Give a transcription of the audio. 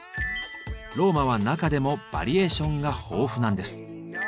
ローマは中でもバリエーションが豊富なんです。